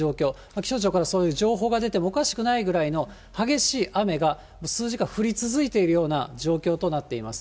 気象庁からそういう情報が出てもおかしくないぐらいの激しい雨が数時間降り続いているような状況となっています。